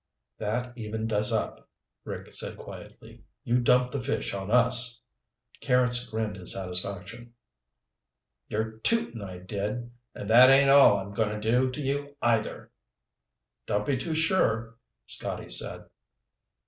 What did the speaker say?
"That evened us up," Rick said quietly. "You dumped the fish on us." Carrots grinned his satisfaction. "You're tootin' I did! And that ain't all I'm goin' to do to you, either." "Don't be too sure," Scotty said.